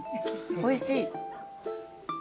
おいしい。